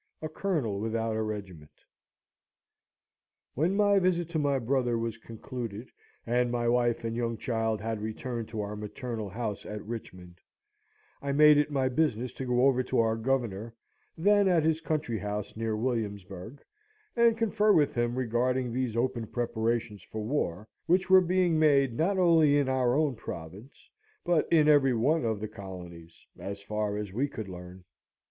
A Colonel without a Regiment When my visit to my brother was concluded, and my wife and young child had returned to our maternal house at Richmond, I made it my business to go over to our Governor, then at his country house, near Williamsburg, and confer with him regarding these open preparations for war, which were being made not only in our own province, but in every one of the colonies as far as we could learn.